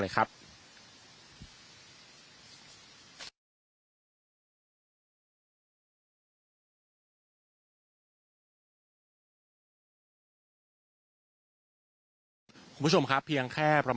และก็คือว่าถึงแม้วันนี้จะพบรอยเท้าเสียแป้งจริงไหม